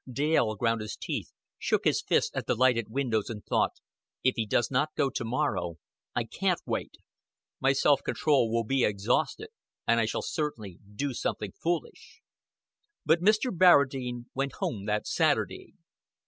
Dale ground his teeth, shook his fist at the lighted windows, and thought. "If he does not go to morrow I can't wait. My self control will be exhausted, and I shall certainly do something fullish." But Mr. Barradine went home that Saturday.